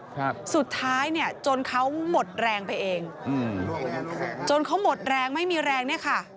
ครับสุดท้ายเนี่ยจนเขาหมดแรงไปเองอืมจนเขาหมดแรงไม่มีแรงเนี้ยค่ะ